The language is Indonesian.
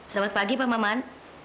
selamat pagi pak maman